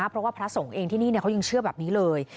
เพราะว่าพระสงฆ์เองที่นี่เขายังเชื่อแบบนี้เลย